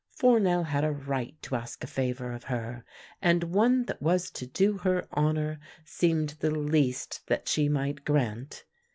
Fournel had a right to ask a favour of her; and one that was to do her honour seemed the least that she might grant.